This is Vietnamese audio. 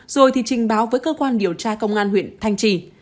rồi thì trình báo với cơ quan điều tra công an huyện thanh trì